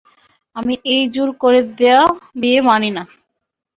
আমি এই জোর করে দেয়া বিয়ে মানি না।